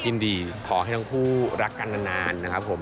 ยินดีขอให้ทั้งคู่รักกันนานนะครับผม